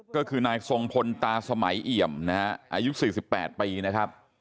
ก็คือนายทรงพลตาสมัยเอี่ยมนะฮะอายุ๔๘ปีนะครับ